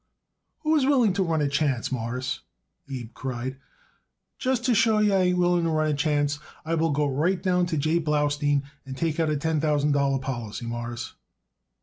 "Who is willing to run a chance, Mawruss?" Abe cried. "Just to show you I ain't willing to run a chance I will go right down to J. Blaustein and take out a ten thousand dollar policy, Mawruss."